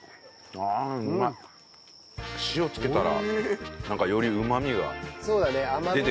塩つけたらなんかよりうまみが出てくるね。